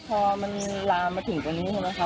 พอมันลามมาถึงตรงนี้ใช่ไหมคะ